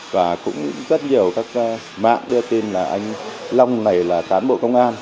và cũng rất nhiều các mạng đưa tin là anh long này là cán bộ công an